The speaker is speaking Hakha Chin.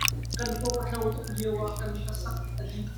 Kan hlawp a tlo tuk lio ah kan hlasak a dih.